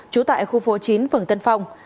trú tại khu phố chín phường tân phong